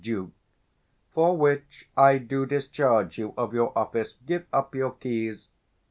Duke. For which I do discharge you of your office: Give up your keys.